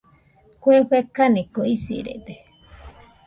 Kue fekaniko isirede.